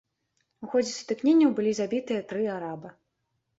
У ходзе сутыкненняў былі забітыя тры араба.